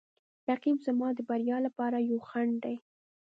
رقیب زما د بریا لپاره یو خنډ دی